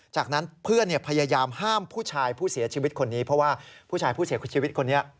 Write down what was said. จากนั้นเพื่อนพยายามห้ามผู้ชายผู้เสียชีวิตคนนี้เพราะว่าผู้ชายผู้เสียชีวิตคนนี้